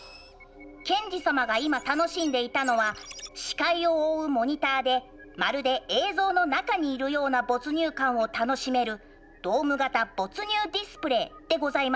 ケンジ様が今楽しんでいたのは視界を覆うモニターでまるで映像の中にいるような没入感を楽しめるドーム型没入ディスプレーでございますよね。